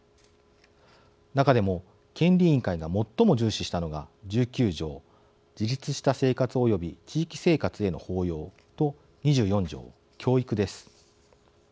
中でも権利委員会が最も重視したのが１９条自立した生活および地域生活への包容と２４条教育です。